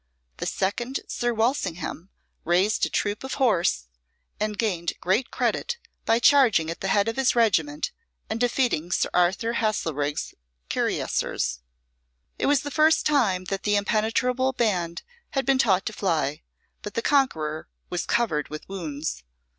The second Sir Walsingham raised a troop of horse, and gained great credit by charging at the head of his regiment and defeating Sir Arthur Haselrigg's Cuirassiers. It was the first time that that impenetrable band had been taught to fly; but the conqueror was covered with wounds.